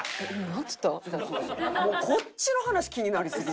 こっちの話気になりすぎて。